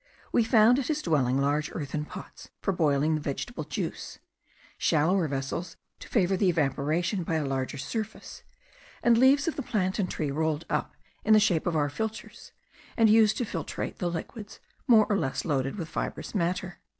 We found at his dwelling large earthen pots for boiling the vegetable juice, shallower vessels to favour the evaporation by a larger surface, and leaves of the plantain tree rolled up in the shape of our filters, and used to filtrate the liquids, more or less loaded with fibrous matter.